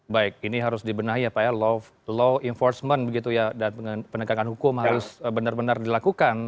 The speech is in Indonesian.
baik ini harus dibenahi ya pak ya law enforcement begitu ya dan penegakan hukum harus benar benar dilakukan